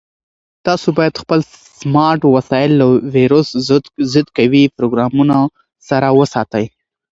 تاسو باید خپل سمارټ وسایل له ویروس ضد قوي پروګرامونو سره وساتئ.